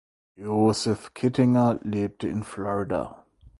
Joseph Kittinger lebt in Florida.